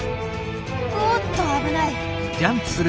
おっと危ない！